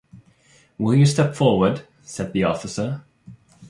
‘Will you step forward?’ said the officer.